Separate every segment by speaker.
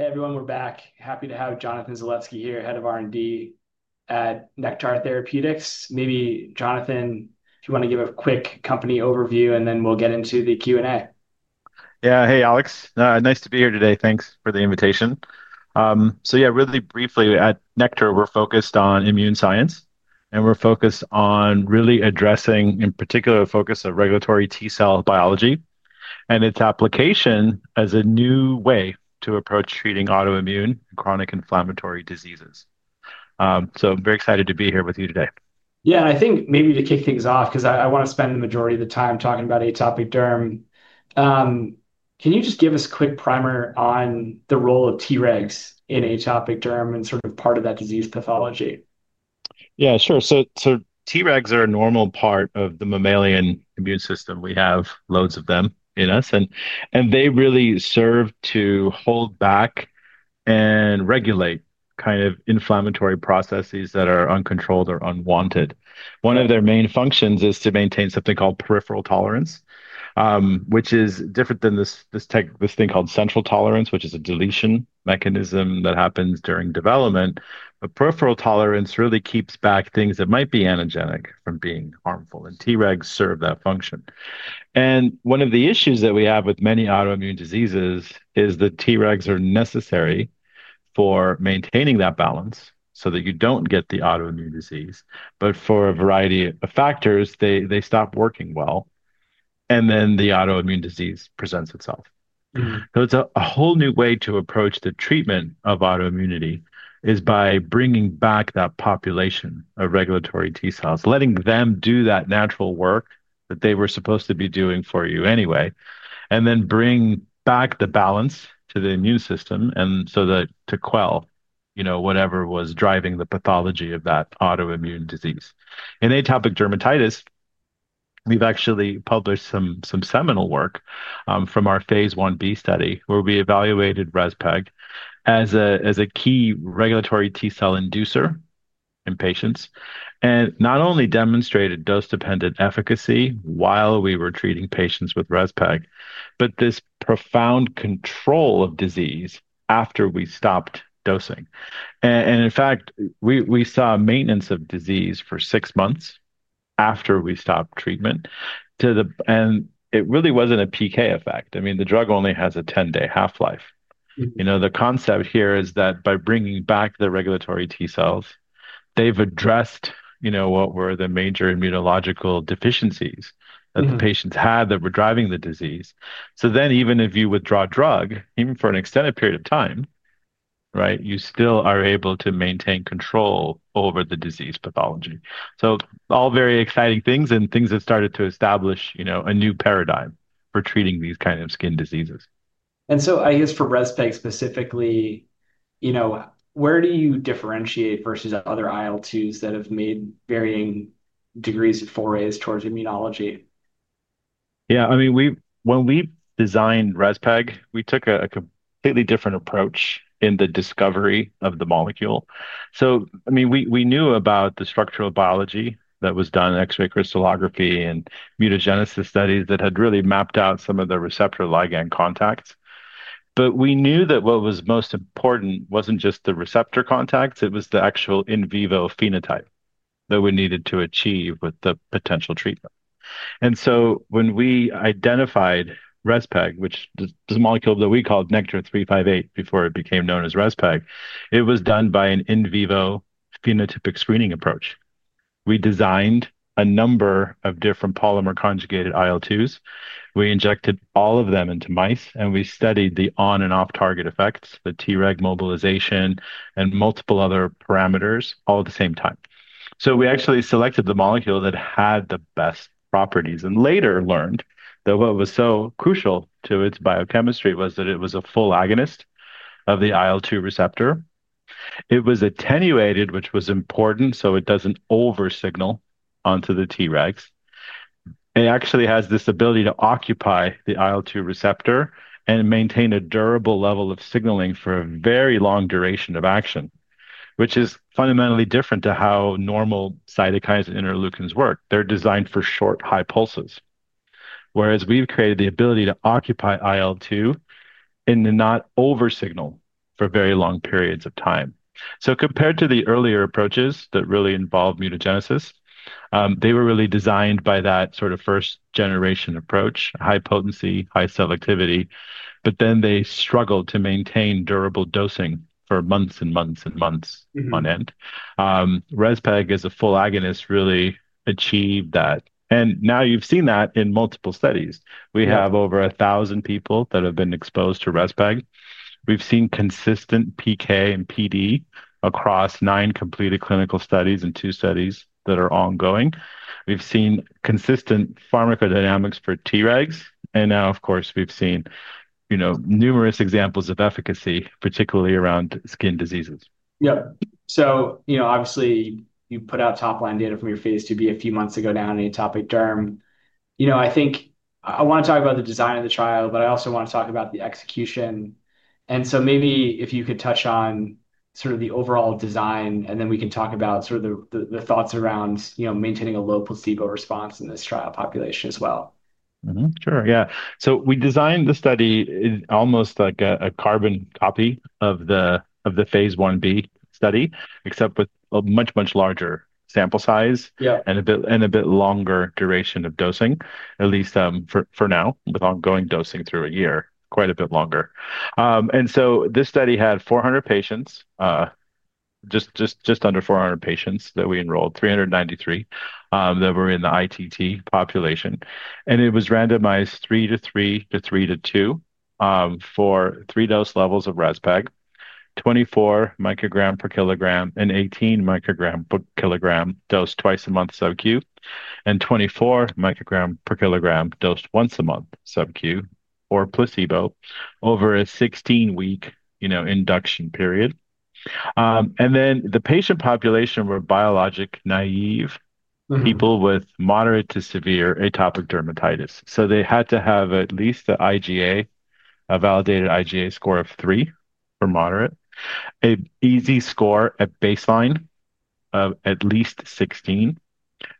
Speaker 1: Hey everyone, we're back. Happy to have Jonathan Zalevsky here, Head of R&D at Nektar Therapeutics. Maybe Jonathan, if you want to give a quick company overview and then we'll get into the Q&A.
Speaker 2: Yeah, hey Alex, nice to be here today. Thanks for the invitation. Really briefly, at Nektar Therapeutics, we're focused on immune science and we're focused on really addressing, in particular, the focus of regulatory T cell biology and its application as a new way to approach treating autoimmune and chronic inflammatory diseases. I'm very excited to be here with you today.
Speaker 1: Yeah, I think maybe to kick things off, because I want to spend the majority of the time talking about atopic derm, can you just give us a quick primer on the role of Tregs in atopic derm and sort of part of that disease pathology?
Speaker 2: Yeah, sure. Tregs are a normal part of the mammalian immune system. We have loads of them in us, and they really serve to hold back and regulate kind of inflammatory processes that are uncontrolled or unwanted. One of their main functions is to maintain something called peripheral tolerance, which is different than this thing called central tolerance, which is a deletion mechanism that happens during development. Peripheral tolerance really keeps back things that might be anagenic from being harmful, and Tregs serve that function. One of the issues that we have with many autoimmune diseases is that Tregs are necessary for maintaining that balance so that you don't get the autoimmune disease, but for a variety of factors, they stop working well, and then the autoimmune disease presents itself. It's a whole new way to approach the treatment of autoimmunity by bringing back that population of regulatory T cells, letting them do that natural work that they were supposed to be doing for you anyway, and then bring back the balance to the immune system so that to quell, you know, whatever was driving the pathology of that autoimmune disease. In atopic dermatitis, we've actually published some seminal work from our phase 1b study where we evaluated ResPEG as a key regulatory T cell inducer in patients and not only demonstrated dose-dependent efficacy while we were treating patients with ResPEG, but this profound control of disease after we stopped dosing. In fact, we saw maintenance of disease for six months after we stopped treatment, and it really wasn't a PK effect. I mean, the drug only has a 10-day half-life. The concept here is that by bringing back the regulatory T cells, they've addressed what were the major immunological deficiencies that the patients had that were driving the disease. Even if you withdraw drug, even for an extended period of time, you still are able to maintain control over the disease pathology. All very exciting things and things that started to establish a new paradigm for treating these kinds of skin diseases.
Speaker 1: For ResPEG specifically, where do you differentiate versus other IL-2s that have made varying degrees of forays towards immunology?
Speaker 2: Yeah, I mean, when we designed ResPEG, we took a completely different approach in the discovery of the molecule. I mean, we knew about the structural biology that was done in X-ray crystallography and mutagenesis studies that had really mapped out some of the receptor ligand contacts. We knew that what was most important wasn't just the receptor contacts, it was the actual in vivo phenotype that we needed to achieve with the potential treatment. When we identified ResPEG, which is a molecule that we called NKTR-358 before it became known as ResPEG, it was done by an in vivo phenotypic screening approach. We designed a number of different polymer-conjugated IL-2s. We injected all of them into mice, and we studied the on- and off-target effects, the Treg mobilization, and multiple other parameters all at the same time. We actually selected the molecule that had the best properties and later learned that what was so crucial to its biochemistry was that it was a full agonist of the IL-2 receptor. It was attenuated, which was important, so it doesn't oversignal onto the Tregs. It actually has this ability to occupy the IL-2 receptor and maintain a durable level of signaling for a very long duration of action, which is fundamentally different to how normal cytokines and interleukins work. They're designed for short high pulses, whereas we've created the ability to occupy IL-2 and to not oversignal for very long periods of time. Compared to the earlier approaches that really involve mutagenesis, they were really designed by that sort of first generation approach, high potency, high selectivity, but then they struggled to maintain durable dosing for months and months and months on end. ResPEG as a full agonist really achieved that. Now you've seen that in multiple studies. We have over 1,000 people that have been exposed to ResPEG. We've seen consistent PK and PD across nine completed clinical studies and two studies that are ongoing. We've seen consistent pharmacodynamics for Tregs. Now, of course, we've seen numerous examples of efficacy, particularly around skin diseases.
Speaker 1: Yeah. Obviously you've put out top line data from your phase 2b a few months ago now in atopic derm. I think I want to talk about the design of the trial, but I also want to talk about the execution. Maybe if you could touch on sort of the overall design, and then we can talk about the thoughts around maintaining a low placebo response in this trial population as well.
Speaker 2: Sure. Yeah. We designed the study almost like a carbon copy of the phase 1b study, except with a much, much larger sample size and a bit longer duration of dosing, at least for now, with ongoing dosing through a year, quite a bit longer. This study had 400 patients, just under 400 patients that we enrolled, 393 that were in the ITT population. It was randomized 3 to 3 to 3 to 2, for three dose levels of ResPEG, 24 microgram per kilogram and 18 microgram per kilogram dosed twice a month subcu, and 24 microgram per kilogram dosed once a month subcu or placebo over a 16-week induction period. The patient population were biologic-naive people with moderate to severe atopic dermatitis. They had to have at least the IgA, a validated IgA score of three for moderate, an EASI score at baseline of at least 16,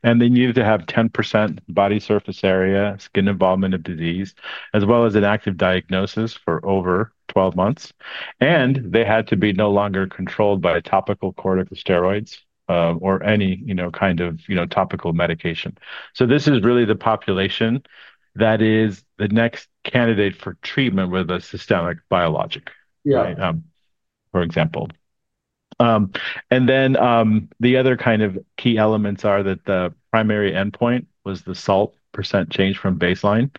Speaker 2: and they needed to have 10% body surface area skin involvement of disease, as well as an active diagnosis for over 12 months. They had to be no longer controlled by topical corticosteroids or any topical medication. This is really the population that is the next candidate for treatment with a systemic biologic, right? For example, the other key elements are that the primary endpoint was the EASI percent change from baseline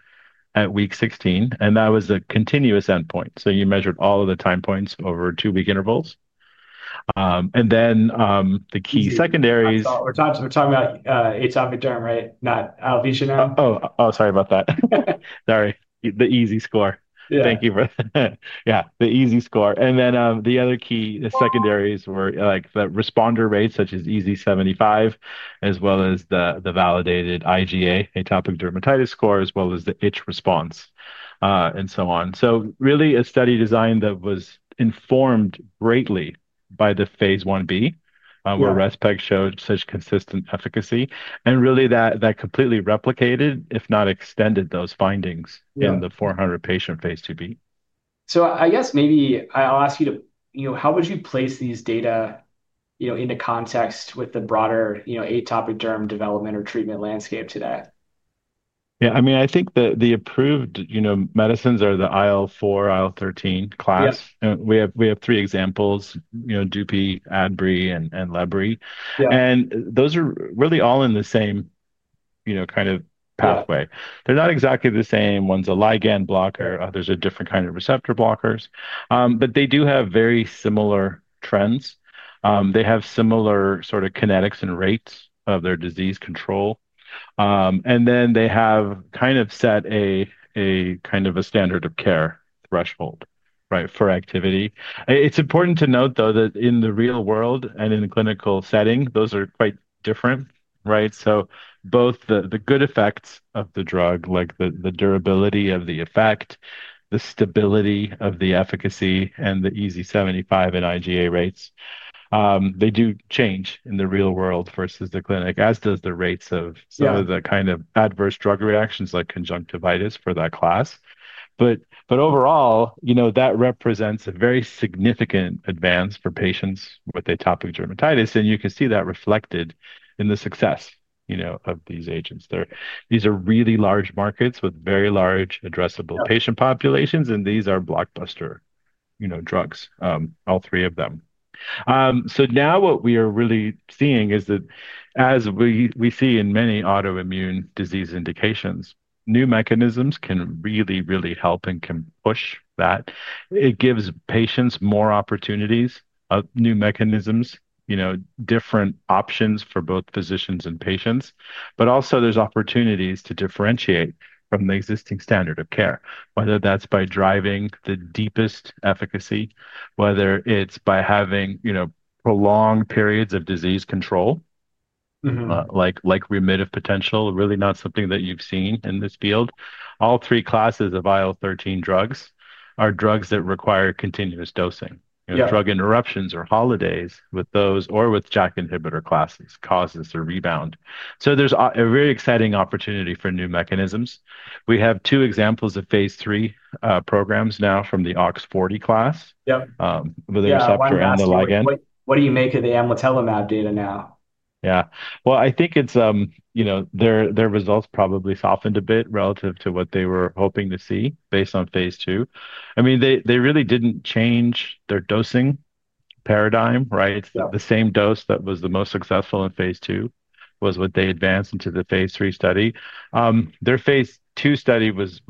Speaker 2: at week 16, and that was a continuous endpoint. You measured all of the time points over two-week intervals, and then the key secondaries.
Speaker 1: We're talking about atopic derm, right? Not alopecia now?
Speaker 2: Sorry about that. Thank you for that. Yeah, the EASI score. The other key secondaries were the responder rate, such as EASI-75, as well as the validated IgA atopic dermatitis score, the itch response, and so on. It was really a study design that was informed greatly by the phase 1b, where ResPEG showed such consistent efficacy, and that completely replicated, if not extended, those findings in the 400 patient phase 2b.
Speaker 1: I guess maybe I'll ask you to, you know, how would you place these data into context with the broader atopic derm development or treatment landscape today?
Speaker 2: Yeah, I mean, I think that the approved, you know, medicines are the IL-4, IL-13 class. We have three examples, you know, Dupixent, Adbry, and Lebrikizumab. Those are really all in the same, you know, kind of pathway. They're not exactly the same. One's a ligand blocker, others are different kinds of receptor blockers, but they do have very similar trends. They have similar sort of kinetics and rates of their disease control, and then they have kind of set a kind of a standard of care threshold, right, for activity. It's important to note though that in the real world and in the clinical setting, those are quite different, right? Both the good effects of the drug, like the durability of the effect, the stability of the efficacy, and the EASI-75 and IGA rates, they do change in the real world versus the clinic, as does the rates of some of the kind of adverse drug reactions like conjunctivitis for that class. Overall, you know, that represents a very significant advance for patients with atopic dermatitis. You can see that reflected in the success, you know, of these agents. These are really large markets with very large addressable patient populations. These are blockbuster, you know, drugs, all three of them. Now what we are really seeing is that as we see in many autoimmune disease indications, new mechanisms can really, really help and can push that. It gives patients more opportunities, new mechanisms, you know, different options for both physicians and patients. Also there's opportunities to differentiate from the existing standard of care, whether that's by driving the deepest efficacy, whether it's by having, you know, prolonged periods of disease control, like remitted potential, really not something that you've seen in this field. All three classes of IL-13 drugs are drugs that require continuous dosing. Drug interruptions or holidays with those or with JAK inhibitor classes causes a rebound. There's a very exciting opportunity for new mechanisms. We have two examples of phase 3 programs now from the OX40 class, the receptor and the ligand.
Speaker 1: What do you make of the amlodipine data now?
Speaker 2: I think it's, you know, their results probably softened a bit relative to what they were hoping to see based on phase two. I mean, they really didn't change their dosing paradigm, right? It's the same dose that was the most successful in phase two was what they advanced into the phase three study. Their phase two study was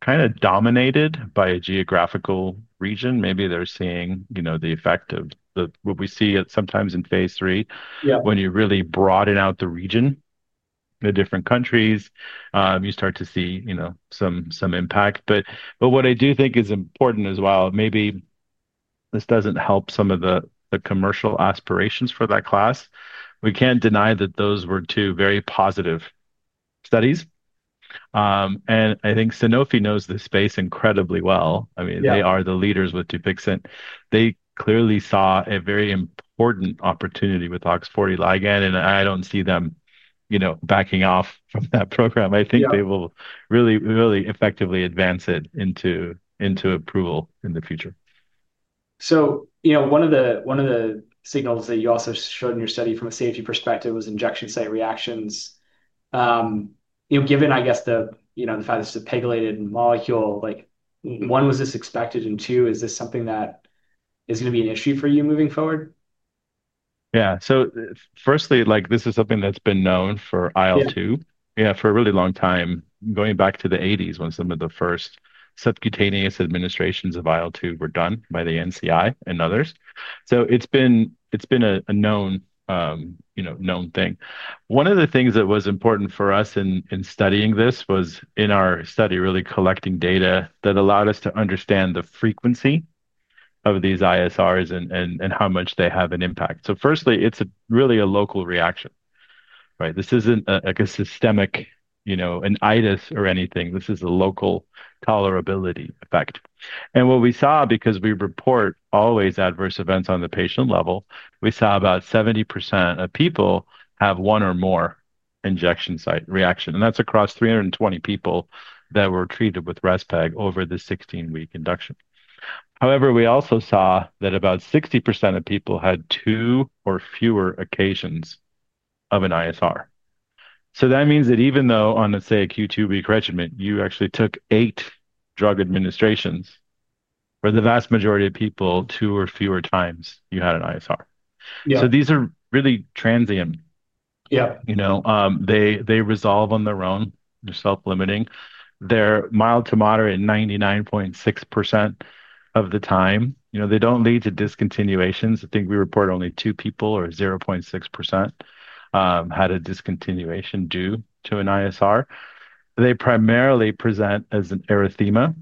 Speaker 2: kind of dominated by a geographical region. Maybe they're seeing the effect of what we see sometimes in phase three. When you really broaden out the region, the different countries, you start to see some impact. What I do think is important as well, maybe this doesn't help some of the commercial aspirations for that class. We can't deny that those were two very positive studies. I think Sanofi knows this space incredibly well. I mean, they are the leaders with Dupixent. They clearly saw a very important opportunity with OX40 ligand, and I don't see them backing off of that program. I think they will really, really effectively advance it into approval in the future.
Speaker 1: One of the signals that you also showed in your study from a safety perspective was injection site reactions. You know, given the fact that it's a pegylated molecule, like one, was this expected? And two, is this something that is going to be an issue for you moving forward?
Speaker 2: Yeah, so firstly, this is something that's been known for IL-2 for a really long time, going back to the 1980s when some of the first subcutaneous administrations of IL-2 were done by the NCI and others. It's been a known thing. One of the things that was important for us in studying this was in our study, really collecting data that allowed us to understand the frequency of these ISRs and how much they have an impact. Firstly, it's really a local reaction, right? This isn't like a systemic, you know, an ITIS or anything. This is a local tolerability effect. What we saw, because we report always adverse events on the patient level, we saw about 70% of people have one or more injection site reaction. That's across 320 people that were treated with ResPEG over the 16-week induction. However, we also saw that about 60% of people had two or fewer occasions of an ISR. That means that even though on, let's say, a Q2 week regimen, you actually took eight drug administrations, for the vast majority of people, two or fewer times you had an ISR. These are really transient. They resolve on their own. They're self-limiting. They're mild to moderate in 99.6% of the time. They don't lead to discontinuations. I think we report only two people or 0.6% had a discontinuation due to an ISR. They primarily present as an erythema,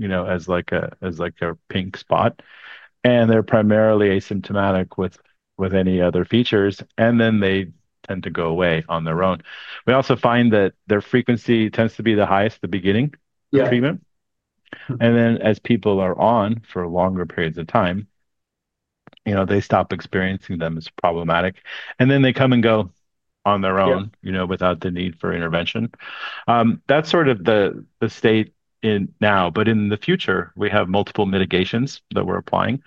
Speaker 2: as like a pink spot. They're primarily asymptomatic with any other features. They tend to go away on their own. We also find that their frequency tends to be the highest at the beginning of treatment. As people are on for longer periods of time, they stop experiencing them as problematic. They come and go on their own without the need for intervention. That's sort of the state now. In the future, we have multiple mitigations that we're applying.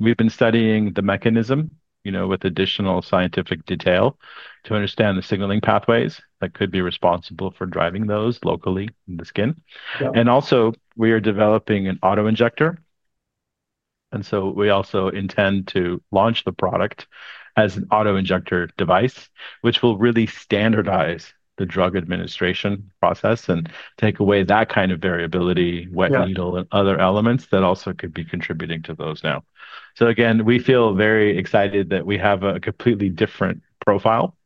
Speaker 2: We've been studying the mechanism with additional scientific detail to understand the signaling pathways that could be responsible for driving those locally in the skin. Also, we are developing an autoinjector. We also intend to launch the product as an autoinjector device, which will really standardize the drug administration process and take away that kind of variability, wet needle, and other elements that also could be contributing to those now. We feel very excited that we have a completely different profile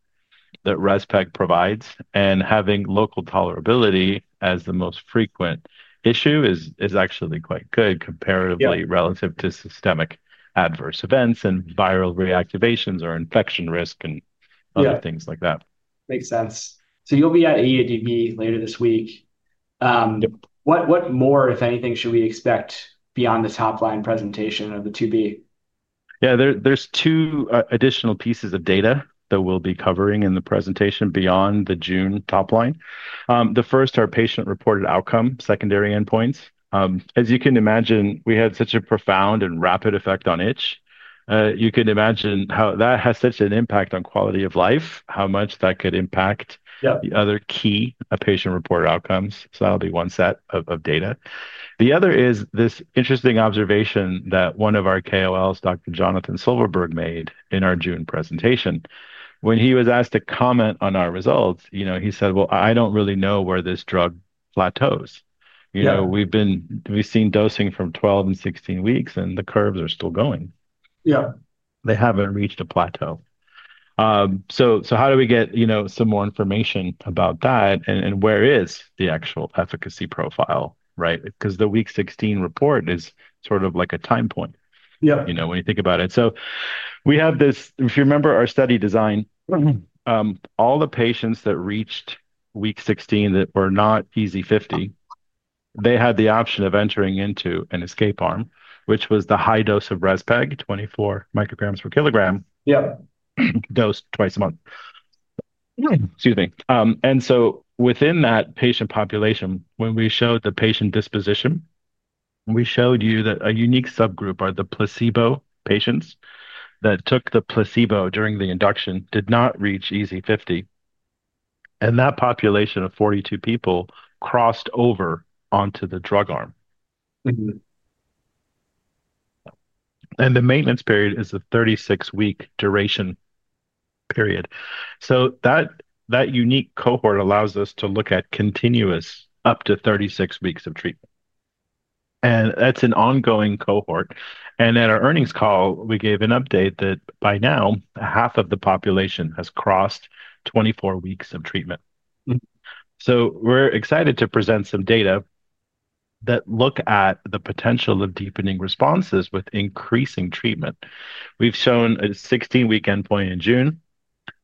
Speaker 2: that ResPEG provides. Having local tolerability as the most frequent issue is actually quite good comparatively relative to systemic adverse events and viral reactivations or infection risk and other things like that.
Speaker 1: sense. You'll be at the American Academy of Dermatology later this week. What more, if anything, should we expect beyond the top line presentation of the 2B?
Speaker 2: Yeah, there's two additional pieces of data that we'll be covering in the presentation beyond the June top line. The first are patient reported outcome secondary endpoints. As you can imagine, we had such a profound and rapid effect on itch. You can imagine how that has such an impact on quality of life, how much that could impact the other key patient reported outcomes. That'll be one set of data. The other is this interesting observation that one of our KOLs, Dr. Jonathan Zalevsky, made in our June presentation. When he was asked to comment on our results, he said, I don't really know where this drug plateaus. We've seen dosing from 12 and 16 weeks, and the curves are still going.
Speaker 1: Yeah.
Speaker 2: They haven't reached a plateau. How do we get, you know, some more information about that and where is the actual efficacy profile, right? The week 16 report is sort of like a time point, you know, when you think about it. We have this, if you remember our study design, all the patients that reached week 16 that were not EZ50 had the option of entering into an escape arm, which was the high dose of ResPEG, 24 micrograms per kilogram, dosed twice a month. Excuse me. Within that patient population, when we showed the patient disposition, we showed you that a unique subgroup are the placebo patients that took the placebo during the induction and did not reach EZ50. That population of 42 people crossed over onto the drug arm. The maintenance period is a 36-week duration period. That unique cohort allows us to look at continuous up to 36 weeks of treatment. That is an ongoing cohort. At our earnings call, we gave an update that by now half of the population has crossed 24 weeks of treatment. We're excited to present some data that look at the potential of deepening responses with increasing treatment. We've shown a 16-week endpoint in June,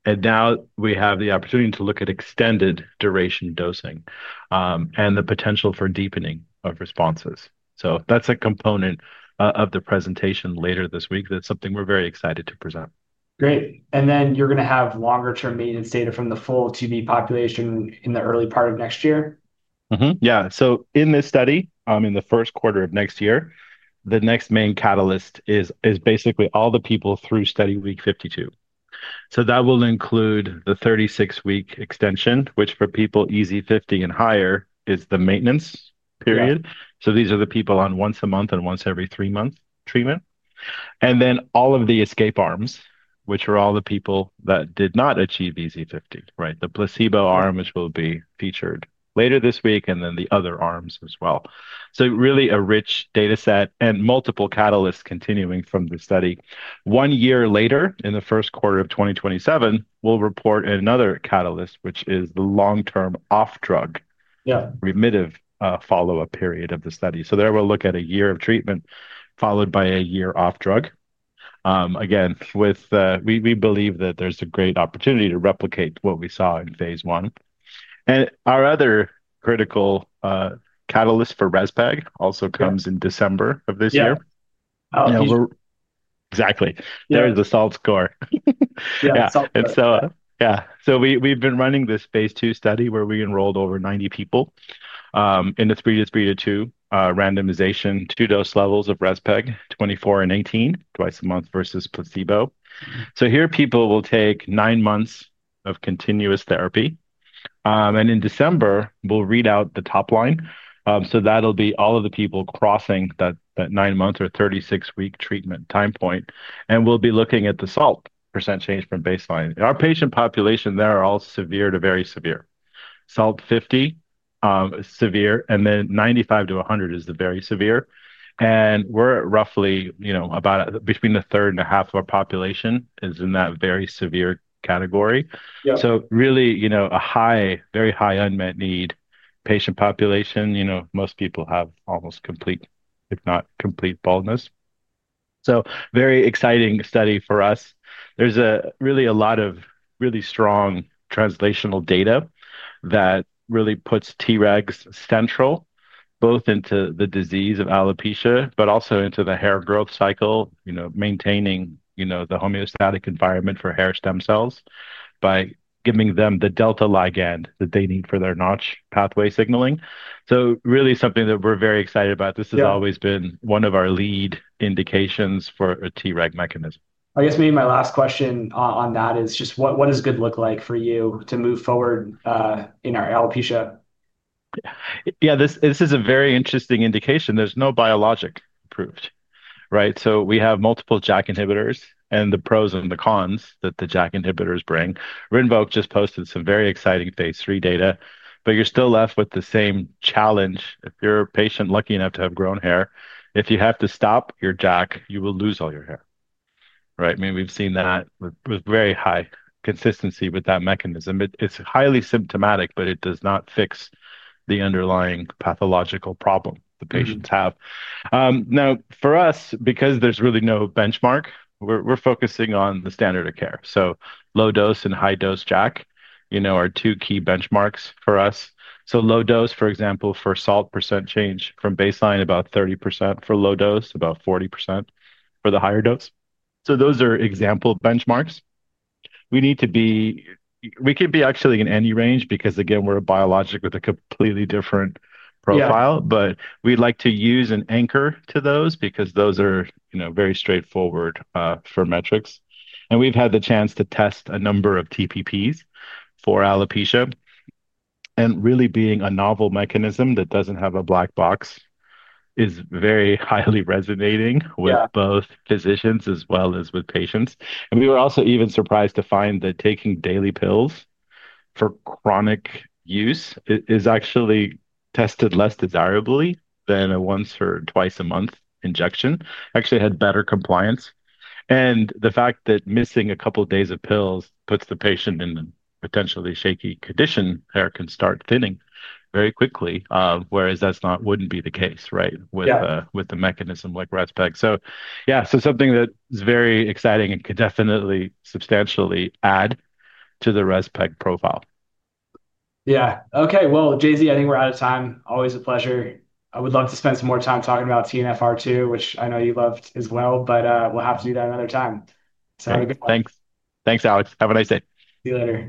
Speaker 2: and now we have the opportunity to look at extended duration dosing and the potential for deepening of responses. That's a component of the presentation later this week. That's something we're very excited to present.
Speaker 1: Great. You're going to have longer-term maintenance data from the full 2B population in the early part of next year?
Speaker 2: Yeah. In this study, in the first quarter of next year, the next main catalyst is basically all the people through study week 52. That will include the 36-week extension, which for people EZ50 and higher is the maintenance period. These are the people on once a month and once every three months treatment. All of the escape arms, which are all the people that did not achieve EZ50, the placebo arm, which will be featured later this week, and the other arms as well are included. It is really a rich data set and multiple catalysts continuing from the study. One year later, in the first quarter of 2027, we'll report another catalyst, which is the long-term off-drug, remitted follow-up period of the study. There we'll look at a year of treatment followed by a year off-drug. We believe that there's a great opportunity to replicate what we saw in phase one. Our other critical catalyst for ResPEG also comes in December of this year.
Speaker 1: Yeah.
Speaker 2: Exactly. There's the SALT score.
Speaker 1: Yeah.
Speaker 2: We've been running this phase 2 study where we enrolled over 90 people, in the 3 to 3 to 2 randomization, two dose levels of ResPEG, 24 and 18, twice a month versus placebo. Here people will take nine months of continuous therapy. In December, we'll read out the top line. That'll be all of the people crossing that nine months or 36-week treatment time point. We'll be looking at the SALT % change from baseline. Our patient population there are all severe to very severe. SALT 50 is severe, and then 95 to 100 is the very severe. We're at roughly, you know, about between a third and a half of our population is in that very severe category. Really, a very high unmet need patient population, you know, most people have almost complete, if not complete baldness. Very exciting study for us. There's really a lot of really strong translational data that puts Tregs central, both into the disease of alopecia, but also into the hair growth cycle, maintaining the homeostatic environment for hair stem cells by giving them the delta ligand that they need for their notch pathway signaling. Really something that we're very excited about. This has always been one of our lead indications for a Treg mechanism.
Speaker 1: I guess maybe my last question on that is just what does good look like for you to move forward, in alopecia?
Speaker 2: Yeah, this is a very interesting indication. There's no biologic proof, right? We have multiple JAK inhibitors and the pros and the cons that the JAK inhibitors bring. Rinvoq just posted some very exciting phase 3 data, but you're still left with the same challenge. If you're a patient lucky enough to have grown hair, if you have to stop your JAK, you will lose all your hair, right? We've seen that with very high consistency with that mechanism. It's highly symptomatic, but it does not fix the underlying pathological problem the patients have. Now for us, because there's really no benchmark, we're focusing on the standards of care. Low dose and high dose JAK are two key benchmarks for us. Low dose, for example, for SALT % change from baseline, about 30% for low dose, about 40% for the higher dose. Those are example benchmarks. We need to be, we could be actually in any range because again, we're a biologic with a completely different profile, but we'd like to use an anchor to those because those are very straightforward for metrics. We've had the chance to test a number of TPPs for alopecia. Really being a novel mechanism that doesn't have a black box is very highly resonating with both physicians as well as with patients. We were also even surprised to find that taking daily pills for chronic use is actually tested less desirably than a once or twice a month injection. Actually had better compliance. The fact that missing a couple of days of pills puts the patient in a potentially shaky condition, hair can start thinning very quickly, whereas that wouldn't be the case with a mechanism like ResPEG. Something that's very exciting and could definitely substantially add to the ResPEG profile.
Speaker 1: Okay. JZ, I think we're out of time. Always a pleasure. I would love to spend some more time talking about TNFR2, which I know you loved as well, but we'll have to do that another time.
Speaker 2: Thanks, thanks Alexandra. Have a nice day.
Speaker 1: You later.